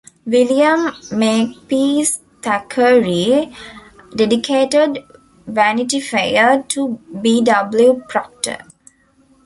William Makepeace Thackeray dedicated "Vanity Fair" to B. W. Procter.